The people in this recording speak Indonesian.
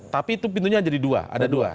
tapi itu pintunya jadi dua ada dua